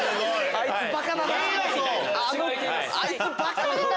あいつバカだな！